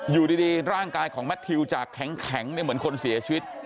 อยู่ดีร่างกายของแมททิวจากแข็งเหมือนคนเสียชีวิต